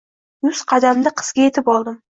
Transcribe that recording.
Yuz qadamda qizga etib oldim